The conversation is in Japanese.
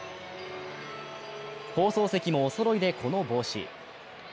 放送席も、おそろいでこの帽子。